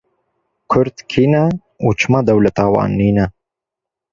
Kurd kî ne, û çima dewleta wan nîne?